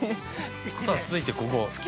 さあ続いて、ここ。